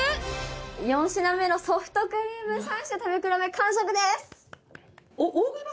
４品目のソフトクリーム３種食べ比べ完食です！